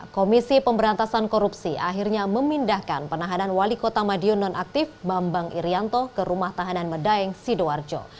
komisi pemberantasan korupsi akhirnya memindahkan penahanan wali kota madiun nonaktif bambang irianto ke rumah tahanan medaeng sidoarjo